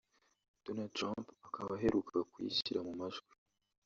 Donald Trump akaba aheruka kuyishyira mu majwi